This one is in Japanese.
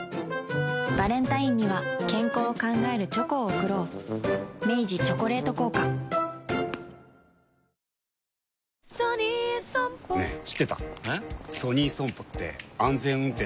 バレンタインには健康を考えるチョコを贈ろう明治「チョコレート効果」速報です。